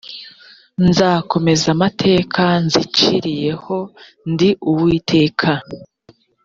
nzasohoza amateka nziciriye ho ndi uwiteka